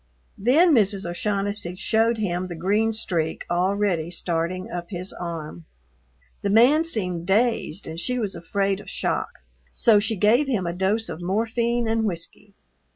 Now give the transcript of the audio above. Then Mrs. O'Shaughnessy showed him the green streak already starting up his arm. The man seemed dazed and she was afraid of shock, so she gave him a dose of morphine and whiskey.